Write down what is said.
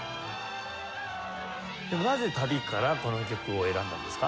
なぜ「旅」からこの曲を選んだんですか？